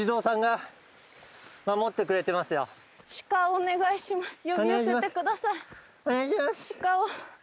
お願いします